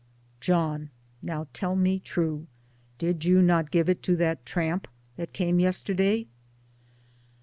"' John I now tell me true, did you not give it to that tramp that came yesterday?